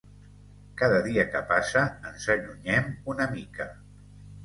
Cada dia que passa ens allunyem una mica.